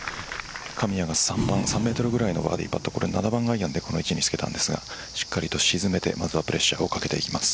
神谷が３メートルぐらいのバーディーパット７番アイアンでこの位置につけましたがしっかりと沈めてまずはプレッシャーをかけていきます。